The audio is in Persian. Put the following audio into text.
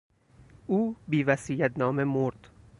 او بیوصیت نامه مرد.